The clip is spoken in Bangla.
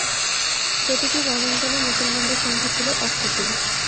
প্রতিটি রণাঙ্গণে মুসলমানদের সংখ্যা ছিল অপ্রতুল।